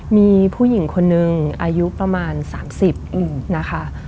มีผู้หญิงคนนึงอายุประมาณ๓๐นะคะ